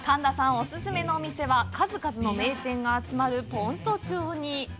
お勧めのお店は数々の名店が集まる、先斗町に。